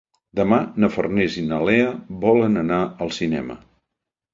Demà na Farners i na Lea volen anar al cinema.